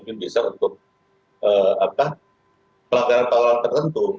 mungkin bisa untuk pelanggaran pelanggaran tertentu